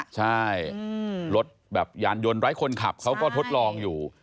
ใช่รถแบบยานยนต์ไร้คนขับเขาก็ทดลองอยู่